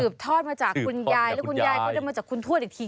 ทอดมาจากคุณยายแล้วคุณยายก็ได้มาจากคุณทวดอีกที